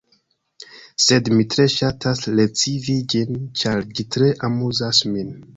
Sed mi tre ŝatas recivi ĝin, ĉar ĝi tre amuzas min.